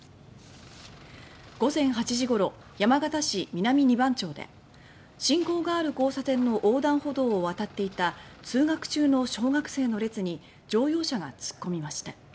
午前８時ごろ山形市南二番町で信号がある交差点の横断歩道を渡っていた通学中の小学生の列に乗用車が突っ込みました。